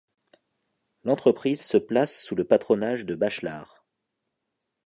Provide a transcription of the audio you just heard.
L'entreprise se place sous le patronage de Bachelard.